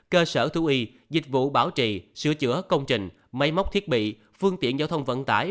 cơ sở thú y dịch vụ bảo trì sửa chữa công trình máy móc thiết bị phương tiện giao thông vận tải